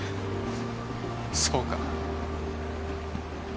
そうか